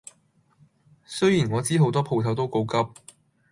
雖然我知好多鋪頭都告急